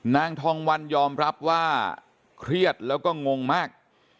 นางทองวันยอมรับว่าเครียดแล้วก็งงมาก